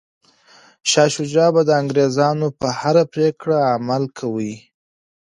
شاه شجاع به د انګریز په هره پریکړه عمل کوي.